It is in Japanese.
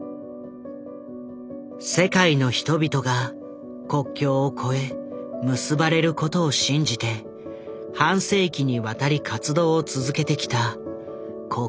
世界の人々が国境を越え結ばれることを信じて半世紀にわたり活動を続けてきた国境なき医師団。